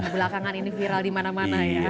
belakangan ini viral dimana mana ya